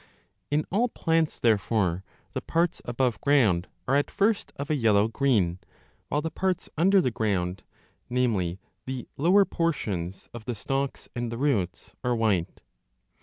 In all plants, therefore, the parts above ground are at first of a yellow green, while the parts under the ground, namely the lower portions of the stalks and the roots, are white.